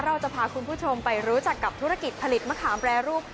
เราจะพาคุณผู้ชมไปรู้จักกับธุรกิจผลิตมะขามแปรรูป